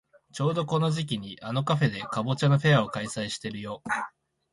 ちょうどこの時期にあのカフェでかぼちゃのフェアを開催してるよ。